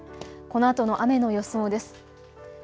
このあとの雨の予想です。